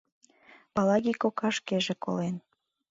Палаги кока шкеже колен.